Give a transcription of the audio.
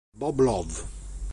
Bob Love